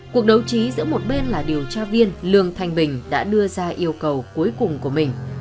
cuộc đấu trí giữa một bên là điều tra viên lương thanh bình đã đưa ra yêu cầu cuối cùng của mình